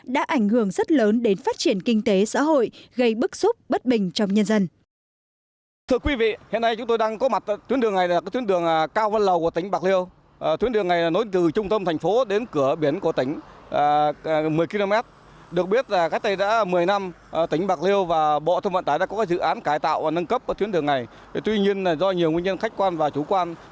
đã ảnh hưởng rất lớn đến phát triển kinh tế xã hội gây bức xúc bất bình trong nhân dân